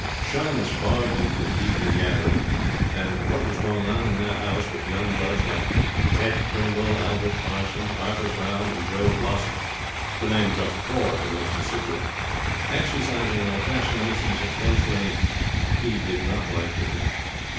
Shyness barred him from the evening gatherings, and what was going on in that house, with young bloods like Ted Pringle, Albert Parsons, Arthur Brown, and Joe Blossom (to name four of the most assiduous) exercising their fascinations at close range, he did not like to think.